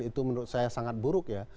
itu menurut saya sangat buruk ya